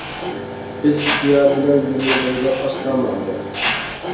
بىز پىيادىلەر يولىنى بويلاپ ئاستا ماڭدۇق.